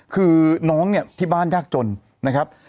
คือน้องเนี่ยที่บ้านยากจนนะครับ